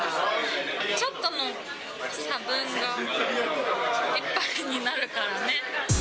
ちょっとの差分が１杯になるからね。